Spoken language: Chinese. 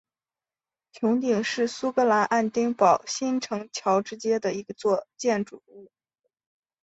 穹顶是苏格兰爱丁堡新城乔治街的一座建筑物。